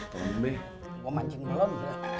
gue mancing belum